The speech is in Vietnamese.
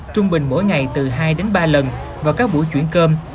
trung bình mỗi ngày từ hai đến ba lần vào các buổi chuyển cơm